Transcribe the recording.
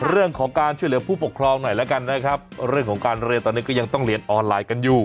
เรื่องของการช่วยเหลือผู้ปกครองหน่อยแล้วกันนะครับเรื่องของการเรียนตอนนี้ก็ยังต้องเรียนออนไลน์กันอยู่